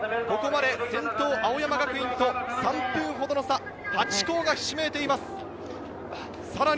ここまで先頭、青山学院と３分ほどの差、８校がひしめいています。